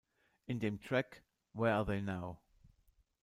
In dem Track "Where Are They Now?